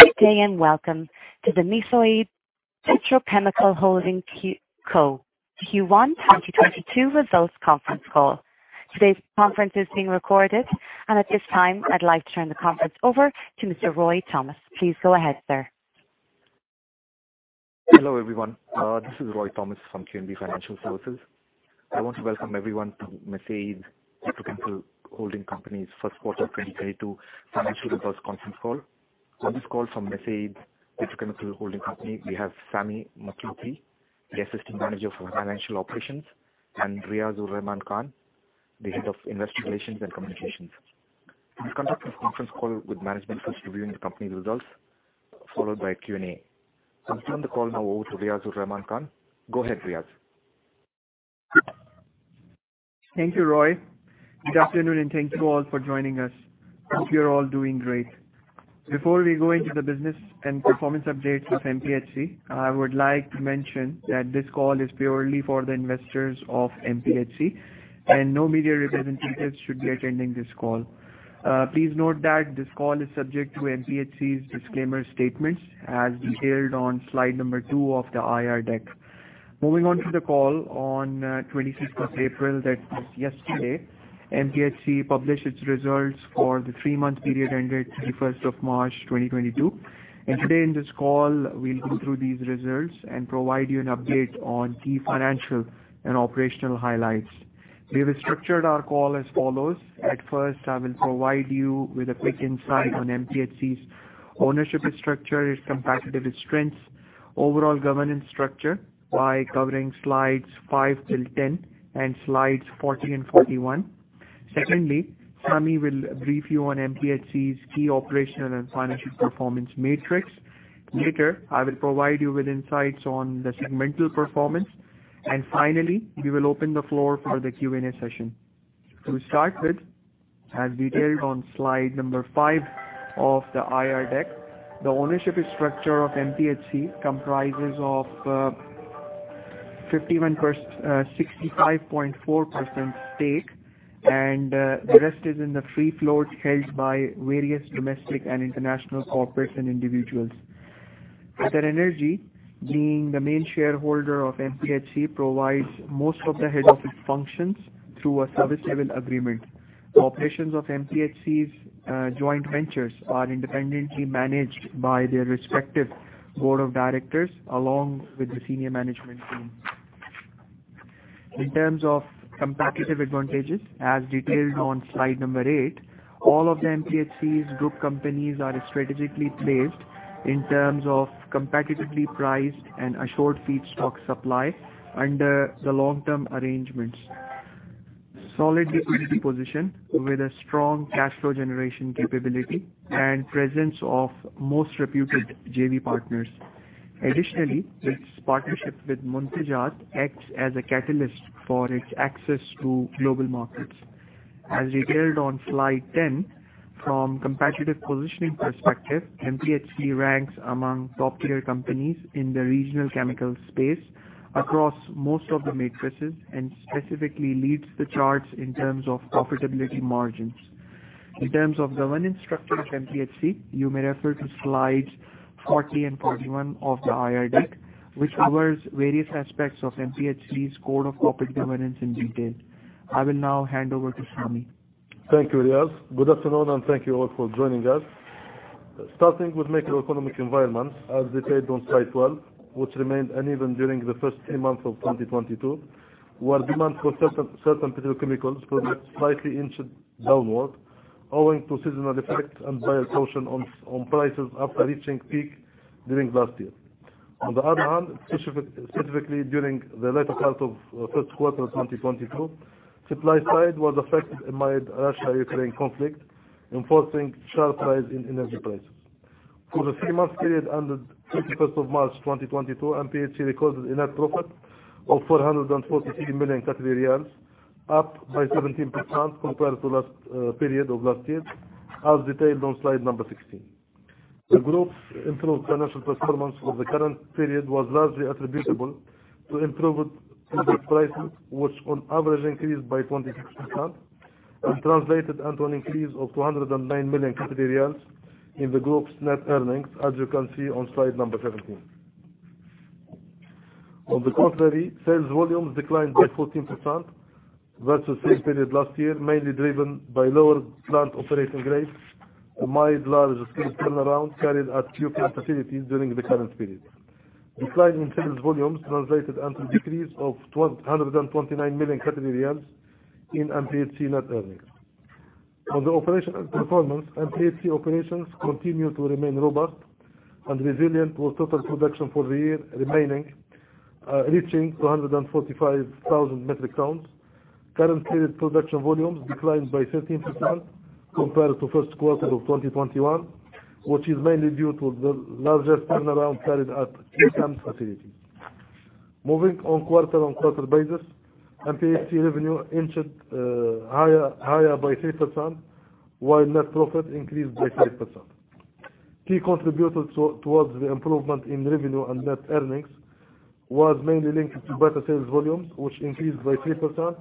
Good day. Welcome to the Mesaieed Petrochemical Holding Co. Q1 2022 Results Conference Call. Today's conference is being recorded. At this time, I'd like to turn the conference over to Mr. Roy Thomas. Please go ahead, sir. Hello, everyone. This is Roy Thomas from QNB Financial Services. I want to welcome everyone to Mesaieed Petrochemical Holding Company's first quarter 2022 financial results conference call. On this call from Mesaieed Petrochemical Holding Company, we have Sami Mathlouthi, the Assistant Manager for Financial Operations, and Riaz-ur-Rehman Khan, the Head of Investor Relations and Communications. We conduct this conference call with management first reviewing the company results, followed by Q&A. I turn the call now over to Riaz-ur-Rehman Khan. Go ahead, Riaz. Thank you, Roy. Good afternoon. Thank you all for joining us. Hope you're all doing great. Before we go into the business and performance updates of MPHC, I would like to mention that this call is purely for the investors of MPHC. No media representatives should be attending this call. Please note that this call is subject to MPHC's disclaimer statements as detailed on slide number two of the IR deck. Moving on to the call on 26th of April, that is yesterday, MPHC published its results for the three-month period ended 31st of March 2022. Today in this call, we'll go through these results and provide you an update on key financial and operational highlights. We have structured our call as follows. At first, I will provide you with a quick insight on MPHC's ownership structure, its competitive strengths, overall governance structure by covering slides five till 10 and slides 40 and 41. Secondly, Sami will brief you on MPHC's key operational and financial performance matrix. Later, I will provide you with insights on the segmental performance. Finally, we will open the floor for the Q&A session. To start with, as detailed on slide number five of the IR deck, the ownership structure of MPHC comprises of 65.4% stake. The rest is in the free float held by various domestic and international corporates and individuals. QatarEnergy, being the main shareholder of MPHC, provides most of the head office functions through a service level agreement. Operations of MPHC's joint ventures are independently managed by their respective board of directors, along with the senior management team. In terms of competitive advantages, as detailed on slide number eight, all of the MPHC's group companies are strategically placed in terms of competitively priced and assured feedstock supply under the long-term arrangements. Solid liquidity position with a strong cash flow generation capability and presence of most reputed JV partners. Additionally, its partnership with Muntajat acts as a catalyst for its access to global markets. As detailed on slide 10, from competitive positioning perspective, MPHC ranks among top-tier companies in the regional chemical space across most of the matrices, and specifically leads the charts in terms of profitability margins. In terms of governance structure of MPHC, you may refer to slides 40 and 41 of the IR deck, which covers various aspects of MPHC's code of corporate governance in detail. I will now hand over to Sami. Thank you, Riaz. Good afternoon, and thank you all for joining us. Starting with macroeconomic environment, as detailed on slide 12, which remained uneven during the first three months of 2022, where demand for certain petrochemicals product slightly inched downward owing to seasonal effect and buyer caution on prices after reaching peak during last year. On the other hand, specifically during the latter part of first quarter 2022, supply side was affected amid Russia-Ukraine conflict, enforcing sharp rise in energy prices. For the three-month period ended 31st of March 2022, MPHC recorded a net profit of 443 million Qatari riyals, up by 17% compared to last period of last year, as detailed on slide number 16. The group's improved financial performance for the current period was largely attributable to improved product prices, which on average increased by 26%, and translated into an increase of 209 million QAR in the group's net earnings, as you can see on slide number 17. On the contrary, sales volumes declined by 14% versus same period last year, mainly driven by lower plant operating rates amid large scale turnaround carried at Q-Chem facilities during the current period. Decline in sales volumes translated into decrease of 129 million Qatari riyals in MPHC net earnings. On the operational performance, MPHC operations continue to remain robust and resilient with total production for the year reaching 245,000 metric tons. Current period production volumes declined by 13% compared to first quarter of 2021, which is mainly due to the larger turnaround carried at Q-Chem facilities. Moving on quarter-on-quarter basis, MPHC revenue inched higher by 3%, while net profit increased by 5%. Key contributors towards the improvement in revenue and net earnings was mainly linked to better sales volumes, which increased by 3%,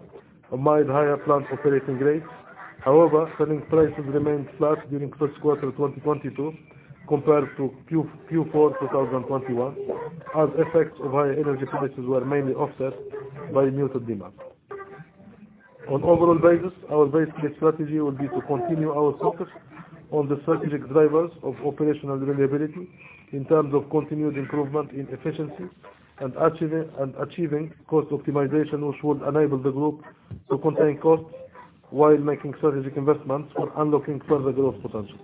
amid higher plant operating rates. However, selling prices remained flat during first quarter 2022 compared to Q4 2021, as effects of higher energy prices were mainly offset by muted demand. On overall basis, our basic strategy will be to continue our focus on the strategic drivers of operational reliability in terms of continued improvement in efficiency and achieving cost optimization, which would enable the group to contain costs while making strategic investments for unlocking further growth potential.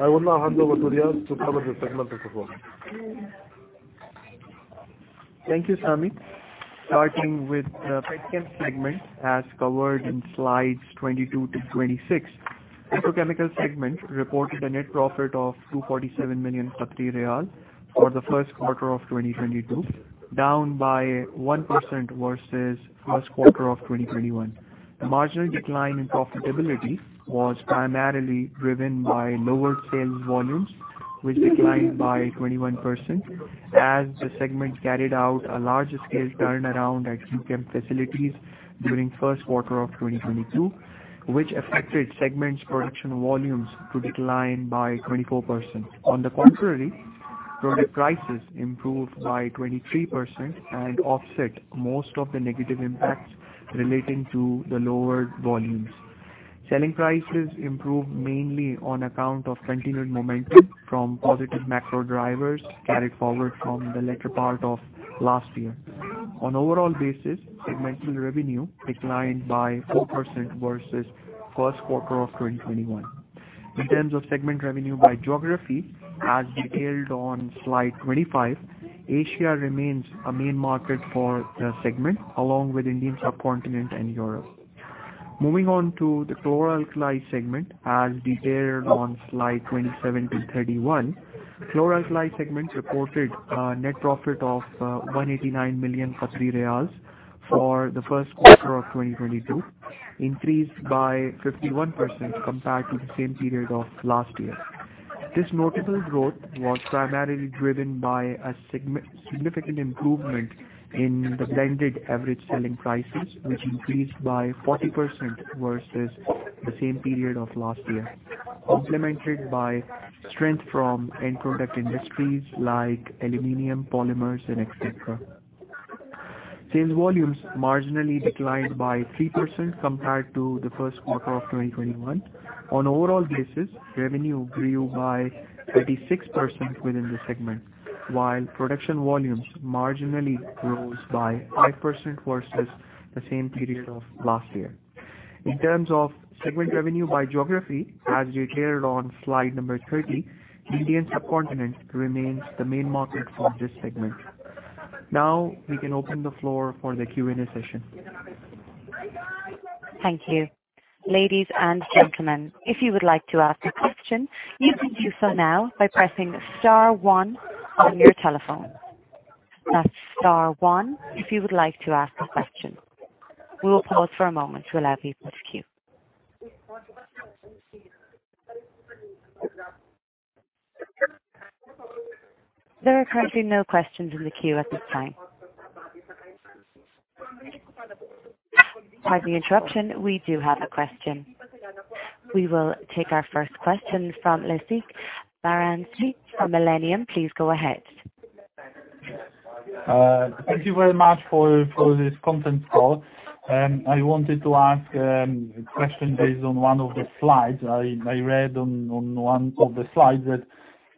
I will now hand over to Riaz to cover the segment performance. Thank you, Sami. Starting with the petchem segment, as covered in slides 22 to 26. Petrochemical segment reported a net profit of 247 million riyal for the first quarter of 2022, down by 1% versus first quarter of 2021. The marginal decline in profitability was primarily driven by lower sales volumes, which declined by 21%, as the segment carried out a larger scale turnaround at Q-Chem facilities during first quarter of 2022, which affected segment's production volumes to decline by 24%. Product prices improved by 23% and offset most of the negative impacts relating to the lower volumes. Selling prices improved mainly on account of continued momentum from positive macro drivers carried forward from the latter part of last year. On overall basis, segmental revenue declined by 4% versus first quarter of 2021. In terms of segment revenue by geography, as detailed on slide 25, Asia remains a main market for the segment, along with Indian subcontinent and Europe. Moving on to the chlor-alkali segment, as detailed on slides 27 to 31. Chlor-alkali segment reported a net profit of 189 million Qatari riyals for the first quarter of 2022, increased by 51% compared to the same period of last year. This notable growth was primarily driven by a significant improvement in the blended average selling prices, which increased by 40% versus the same period of last year, complemented by strength from end product industries like aluminum, polymers, and et cetera. Sales volumes marginally declined by 3% compared to the first quarter of 2021. On overall basis, revenue grew by 36% within the segment, while production volumes marginally rose by 5% versus the same period of last year. In terms of segment revenue by geography, as detailed on slide number 30, Indian subcontinent remains the main market for this segment. Now, we can open the floor for the Q&A session. Thank you. Ladies and gentlemen, if you would like to ask a question, you can do so now by pressing star one on your telephone. That's star one if you would like to ask a question. We will pause for a moment to allow people to queue. There are currently no questions in the queue at this time. Pardon the interruption. We do have a question. We will take our first question from Leszek Baranski from Millennium. Please go ahead. Thank you very much for this conference call. I wanted to ask a question based on one of the slides. I read on one of the slides that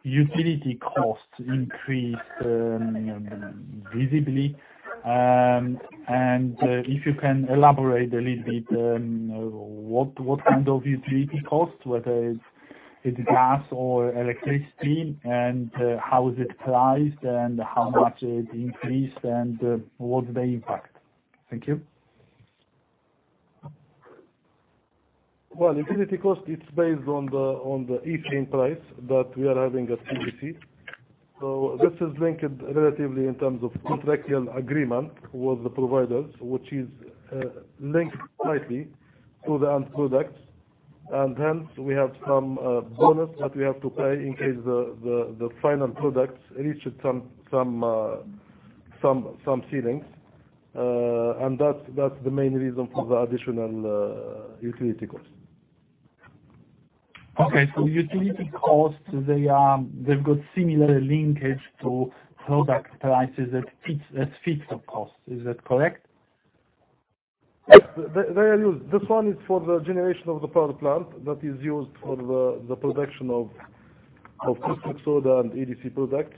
utility costs increased visibly. If you can elaborate a little bit, what kind of utility cost, whether it's gas or electricity, and how is it priced and how much it increased and what's the impact? Thank you. Well, utility cost, it's based on the ethane price that we are having at QVC. This is linked relatively in terms of contractual agreement with the providers, which is linked slightly to the end products. Hence, we have some bonus that we have to pay in case the final products reach some ceilings. That's the main reason for the additional utility cost. Okay. Utility costs, they've got similar linkage to product prices as fixed costs. Is that correct? Yes. This one is for the generation of the power plant that is used for the production of caustic soda and EDC products.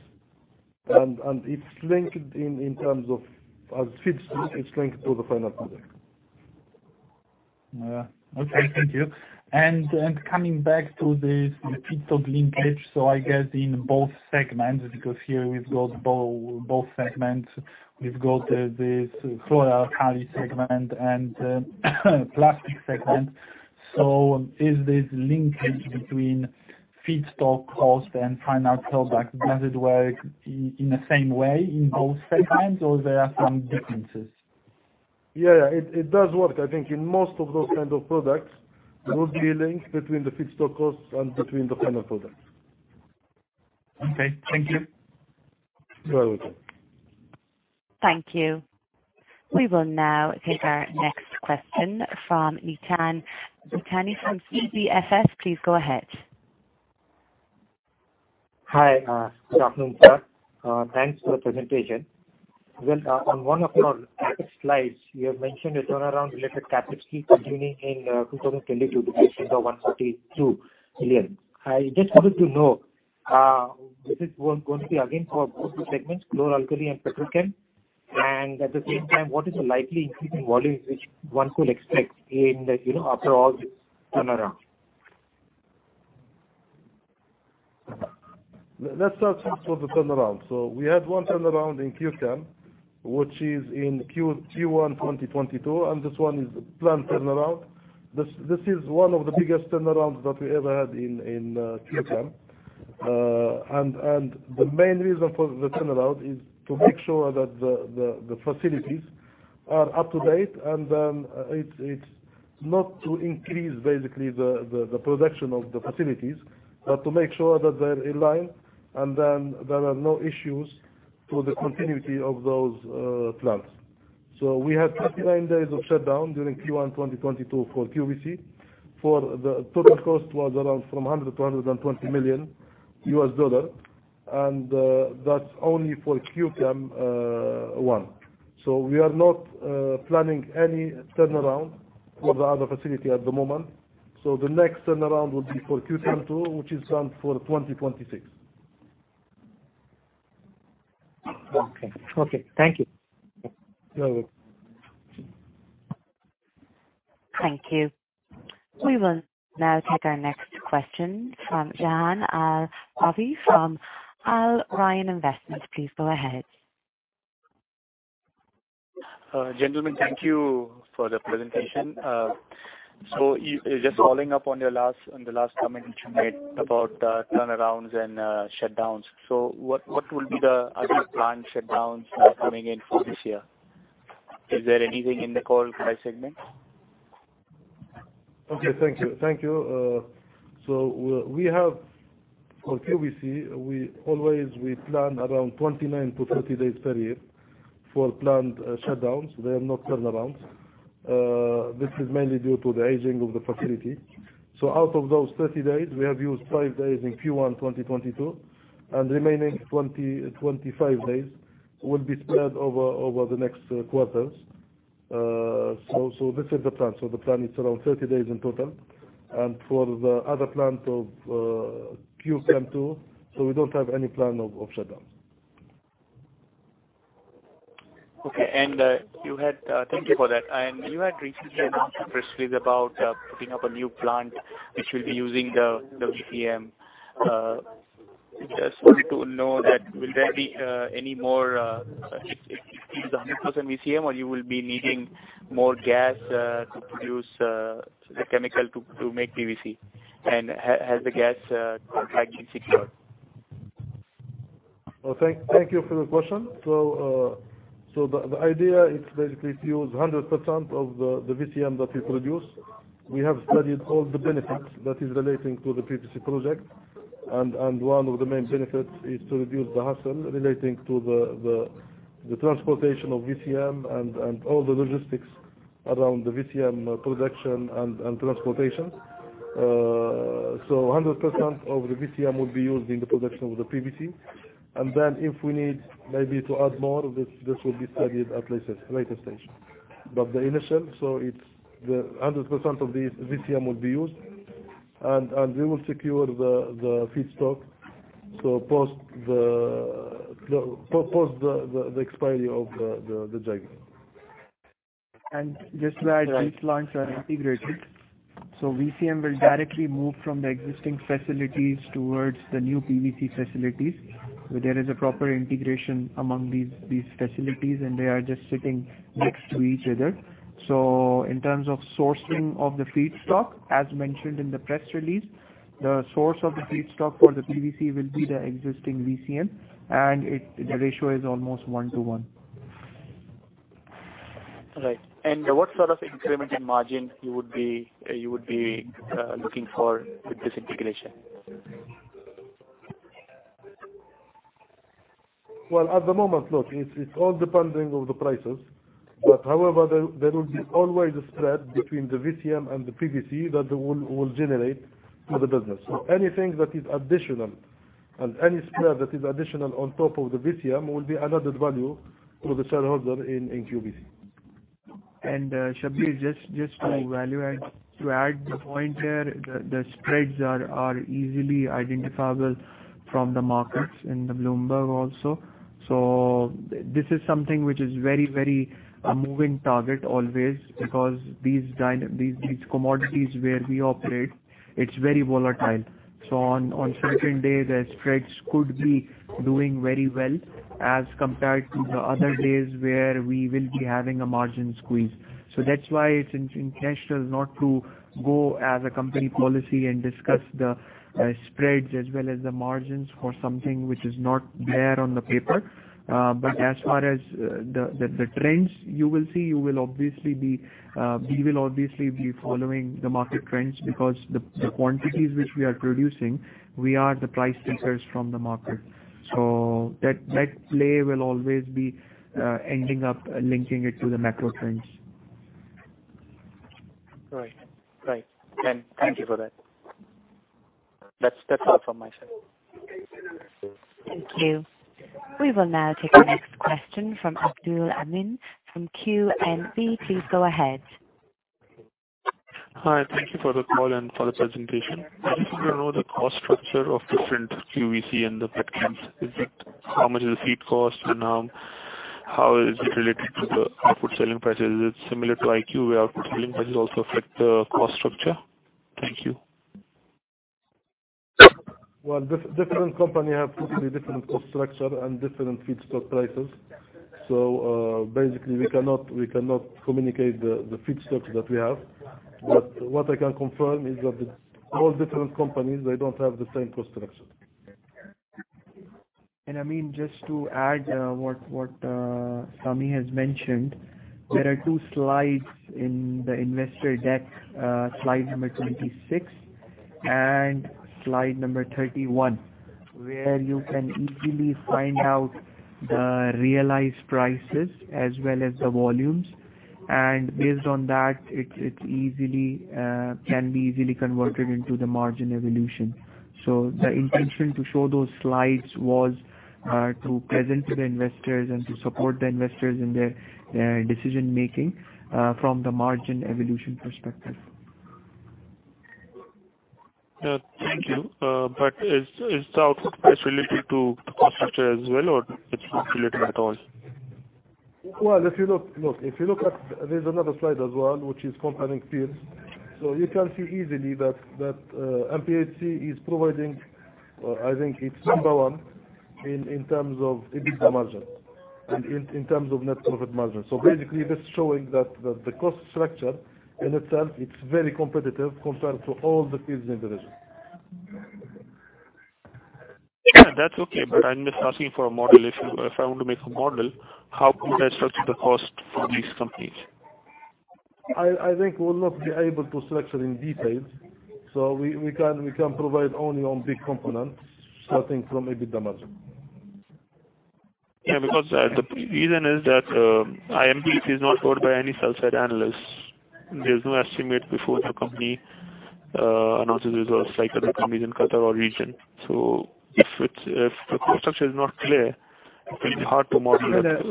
It's linked in terms of, as feeds, it's linked to the final product. Yeah. Okay. Thank you. Coming back to this feedstock linkage, I guess in both segments, because here we've got both segments. We've got this chlor-alkali segment and plastic segment. Is this linkage between feedstock cost and final product blended well in the same way in both segments, or there are some differences? Yeah. It does work. I think in most of those kinds of products, there would be a link between the feedstock costs and between the final products. Okay. Thank you. You are welcome. Thank you. We will now take our next question from Nitin. Nitin, you are from QNBFS, please go ahead. Hi. Good afternoon, sir. Thanks for the presentation. On one of your slides, you have mentioned a turnaround-related CapEx peak beginning in 2022 to December, $132 million. I just wanted to know, this is going to be again for both the segments, chlor-alkali and petchem. At the same time, what is the likely increase in volumes which one could expect after all this turnaround? Let's start first with the turnaround. We had one turnaround in Q-Chem, which is in Q1 2022, and this one is a planned turnaround. This is one of the biggest turnarounds that we ever had in Q-Chem. The main reason for the turnaround is to make sure that the facilities are up to date, and then it is not to increase basically the production of the facilities, but to make sure that they are in line and then there are no issues to the continuity of those plants. We had 39 days of shutdown during Q1 2022 for QVC. The total cost was around from $100 million-$120 million, and that is only for Q-Chem I. We are not planning any turnaround for the other facility at the moment. The next turnaround will be for Q-Chem II, which is planned for 2026. Okay. Thank you. You are welcome. Thank you. We will now take our next question from Shabih Al-Avi from Al Rayan Investment. Please go ahead. Gentlemen, thank you for the presentation. Just following up on the last comment you made about turnarounds and shutdowns. What will be the other planned shutdowns coming in for this year? Is there anything in the call by segment? Okay. Thank you. We have for QVC, always we plan around 29-30 days per year for planned shutdowns. They are not turnarounds. This is mainly due to the aging of the facility. Out of those 30 days, we have used five days in Q1 2022, and remaining 25 days will be spread over the next quarters. This is the plan. The plan is around 30 days in total. For the other plant of Q-Chem II, we don't have any plan of shutdown. Okay. Thank you for that. You had recently announced a press release about putting up a new plant which will be using the VCM. Just wanted to know that will there be any more, if it is 100% VCM or you will be needing more gas to produce the chemical to make PVC? Has the gas contract been secured? Thank you for the question. The idea is basically to use 100% of the VCM that we produce. We have studied all the benefits that is relating to the PVC project, one of the main benefits is to reduce the hassle relating to the transportation of VCM and all the logistics around the VCM production and transportation. 100% of the VCM will be used in the production of the PVC. If we need maybe to add more, this will be studied at later stage. The 100% of the VCM will be used and we will secure the feedstock. Post the expiry of the contract. Just to add, these plants are integrated. VCM will directly move from the existing facilities towards the new PVC facilities. There is a proper integration among these facilities, they are just sitting next to each other. In terms of sourcing of the feedstock, as mentioned in the press release, the source of the feedstock for the PVC will be the existing VCM, the ratio is almost 1 to 1. Right. What sort of increment in margin you would be looking for with this integration? Well, at the moment, look, it's all dependent on the prices. However, there will be always a spread between the VCM and the PVC that will generate for the business. Anything that is additional and any spread that is additional on top of the VCM will be added value to the shareholder in QVC. Shabih, just to add the point there, the spreads are easily identifiable from the markets in the Bloomberg also. This is something which is very moving target always because these commodities where we operate, it's very volatile. On certain days, the spreads could be doing very well as compared to the other days where we will be having a margin squeeze. That's why it's intentional not to go as a company policy and discuss the spreads as well as the margins for something which is not there on the paper. As far as the trends you will see, we will obviously be following the market trends because the quantities which we are producing, we are the price takers from the market. That play will always be ending up linking it to the macro trends. Right. Thank you for that. That's all from my side. Thank you. We will now take the next question from Abdul Amin from QNB. Please go ahead. Hi. Thank you for the call and for the presentation. I just want to know the cost structure of different QVC and the pet chems. Is it how much is the feed cost and how is it related to the output selling prices? Is it similar to IQ, where output selling prices also affect the cost structure? Thank you. Different company have totally different cost structure and different feedstock prices. Basically, we cannot communicate the feedstock that we have. What I can confirm is that all different companies, they don't have the same cost structure. Amin, just to add what Sami has mentioned, there are two slides in the investor deck, slide number 26 and slide number 31, where you can easily find out the realized prices as well as the volumes. Based on that, it can be easily converted into the margin evolution. The intention to show those slides was to present to the investors and to support the investors in their decision-making from the margin evolution perspective. Thank you. Is output price related to cost structure as well, or it's not related at all? Well, if you look at There's another slide as well, which is comparing peers. You can see easily that MPHC is providing, I think it's number 1 in terms of EBITDA margin and in terms of net profit margin. Basically, that's showing that the cost structure in itself, it's very competitive compared to all the peers in the region. Yeah, that's okay. I'm just asking for a model. If I want to make a model, how could I structure the cost for these companies? I think we'll not be able to structure in details. We can provide only on big components, starting from EBITDA margin. Yeah, because the reason is that MPHC is not covered by any sell side analysts. There's no estimate before the company announces results like other companies in Qatar or region. If the cost structure is not clear, it's hard to model that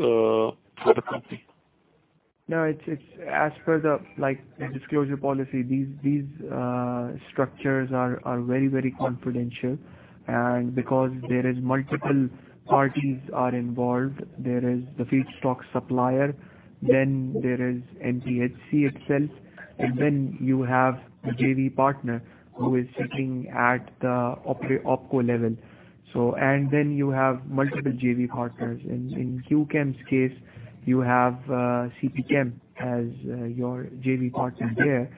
for the company. No, as per the disclosure policy, these structures are very confidential because there is multiple parties are involved. There is the feedstock supplier, then there is MPHC itself, and then you have the JV partner who is sitting at the OpCo level. Then you have multiple JV partners. In Q-Chem's case, you have CPChem as your JV partner there.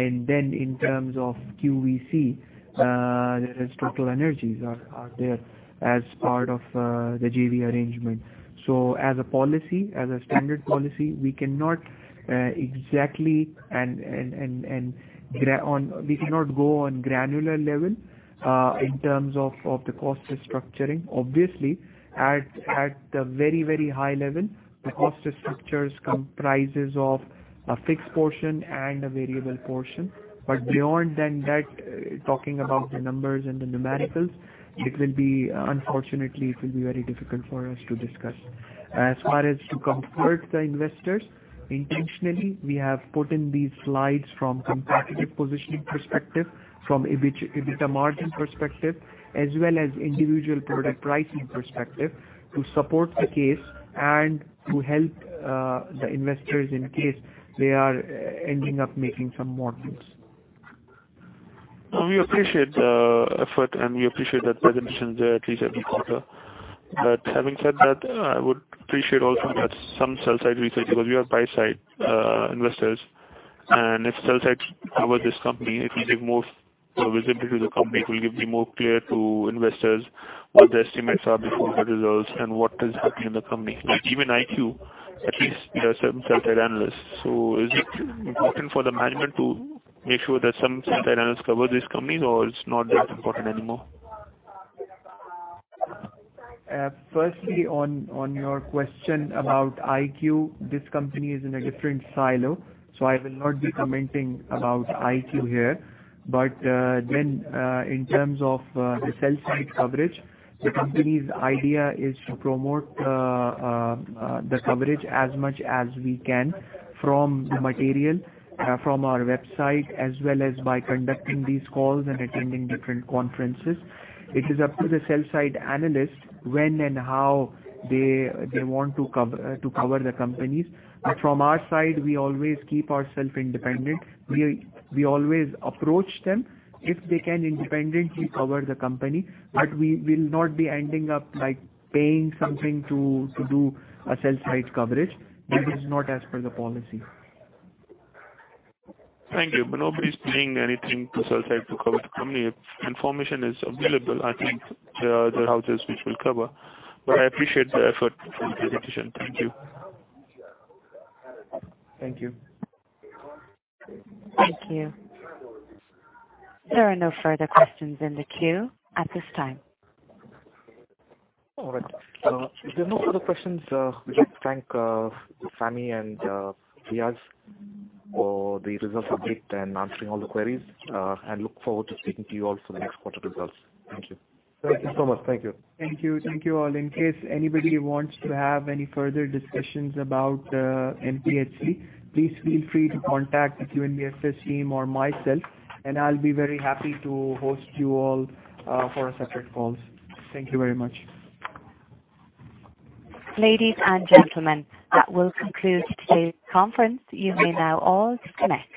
In terms of QVC, there is TotalEnergies are there as part of the JV arrangement. As a standard policy, we cannot go on granular level in terms of the cost structuring. Obviously, at the very high level, the cost structures comprises of a fixed portion and a variable portion. Beyond that, talking about the numbers and the numericals, unfortunately, it will be very difficult for us to discuss. As far as to comfort the investors, intentionally, we have put in these slides from competitive positioning perspective, from EBITDA margin perspective, as well as individual product pricing perspective, to support the case and to help the investors in case they are ending up making some models. We appreciate the effort and we appreciate that presentation there at least every quarter. Having said that, I would appreciate also some sell side research because we are buy side investors, and if sell side cover this company, it will give more visibility to the company. It will be more clear to investors what the estimates are before the results and what is happening in the company. Even IQ, at least there are some sell side analysts. Is it important for the management to make sure that some sell side analysts cover these companies, or it's not that important anymore? Firstly, on your question about IQ, this company is in a different silo, so I will not be commenting about IQ here. In terms of the sell side coverage, the company's idea is to promote the coverage as much as we can from material from our website, as well as by conducting these calls and attending different conferences. It is up to the sell side analyst when and how they want to cover the companies. From our side, we always keep ourself independent. We always approach them if they can independently cover the company, but we will not be ending up paying something to do a sell side coverage. This is not as per the policy. Thank you. Nobody's paying anything to sell side to cover the company. Information is available, I think, to the houses which will cover. I appreciate the effort for the presentation. Thank you. Thank you. Thank you. There are no further questions in the queue at this time. All right. If there are no further questions, we'd like to thank Sami and Riaz for the results update and answering all the queries, and look forward to speaking to you all for the next quarter results. Thank you. Thank you so much. Thank you. Thank you. Thank you all. In case anybody wants to have any further discussions about MPHC, please feel free to contact the QNBFS team or myself, and I'll be very happy to host you all for separate calls. Thank you very much. Ladies and gentlemen, that will conclude today's conference. You may now all disconnect.